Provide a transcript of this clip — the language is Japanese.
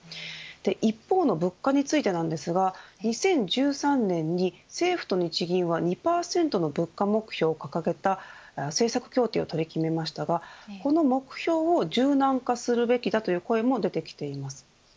一方の物価についてなんですが２０１３年に、政府と日銀は２％の物価目標を掲げた政策協定を取り決めましたがこの目標を柔軟化するべきだという声も出てきています。